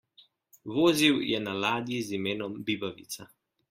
Vozil je na ladji z imenom Bibavica.